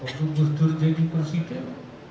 untuk berdur jadi presiden